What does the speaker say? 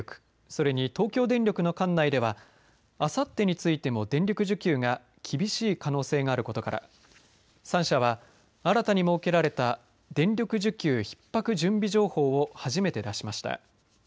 それに東京電力の管内ではあさってについても電力需給が厳しい可能性があることから３社は、新たに設けられた電力需給ひっ迫準備情報を初めて出しました。